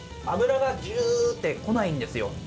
脂がジュって来ないんですよ。